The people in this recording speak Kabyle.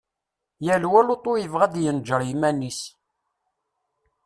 Yal wa lutu i yebɣa ad d-yenǧeri yiman-is.